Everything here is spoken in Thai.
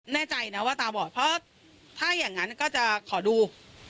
แน่ใจนะว่าตาบอดเพราะถ้าอย่างนั้นก็จะขอดู